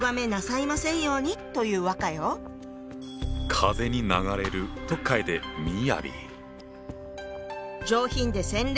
風に流れると書いて「みやび」。